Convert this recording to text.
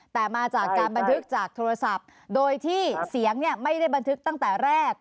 แต่มาจากการบันทึกจากโทรศัพท์โดยที่เสียงไม่ได้บันทึกตั้งแต่แรก